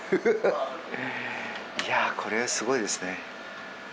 これはすごいですね。